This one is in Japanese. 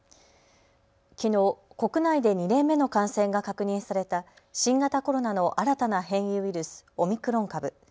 きのう、国内で２例目の感染が確認された新型コロナの新たな変異ウイルス、オミクロン株。